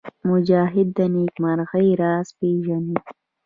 مجاهد د نېکمرغۍ راز پېژني.